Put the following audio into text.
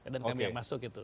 dan kami yang masuk itu